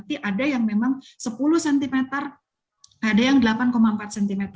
berarti ada yang memang sepuluh cm ada yang delapan empat cm